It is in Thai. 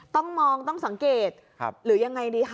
ต้องมองต้องสังเกตหรือยังไงดีคะ